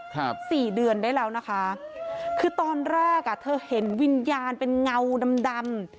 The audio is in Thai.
สี่เดือนได้แล้วนะคะคือตอนแรกอ่ะเธอเห็นวิญญาณเป็นเงาดำดำ